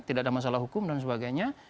tidak ada masalah hukum dan sebagainya